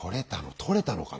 撮れたのかな。